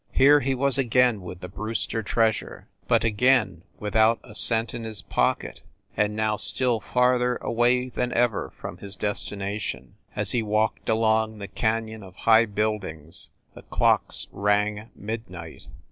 Here he was again with the Brewster treasure, but again without a cent in his pocket and now still farther away than ever from his destination. As he walked along the canyon of high buildings the clocks rang midnight.